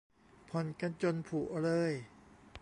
ผ่อนกันจนผุเลย